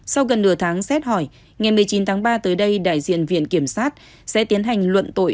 sau gần nửa tháng xét hỏi ngày một mươi chín tháng ba tới đây đại diện viện kiểm sát sẽ tiến hành luận tội